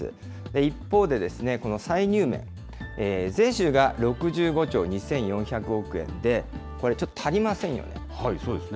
一方で、この歳入も税収が６５兆２４００億円で、これちょっと足そうですね。